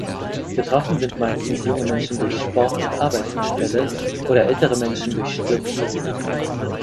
Betroffen sind meistens junge Menschen durch Sport und Arbeitsunfälle oder ältere Menschen durch Stürze.